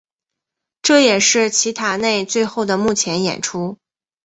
这也是齐达内最后的幕前演出。